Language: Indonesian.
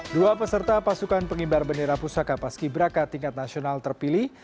dua peserta pasukan pengibar bendera pusaka paski braka tingkat nasional terpilih